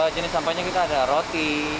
jenis sampahnya kita ada roti